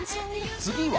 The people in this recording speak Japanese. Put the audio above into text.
次は。